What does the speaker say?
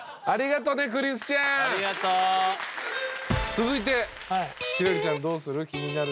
続いて輝星ちゃんどうする？